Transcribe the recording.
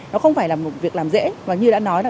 nó không phải là một việc làm dễ và như đã nói là